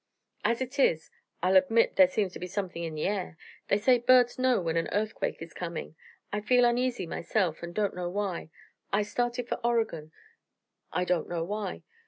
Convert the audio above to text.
"As it is, I'll admit, there seems to be something in the air. They say birds know when an earthquake is coming. I feel uneasy myself, and don't know why. I started for Oregon. I don't know why.